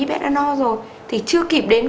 bé đã no rồi thì chưa kịp đến